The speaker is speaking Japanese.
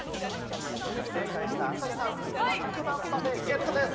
正解した朝日さん、パックマンパフェゲットです。